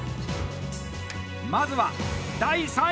まずは、第３位！